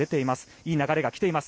いい流れがきています。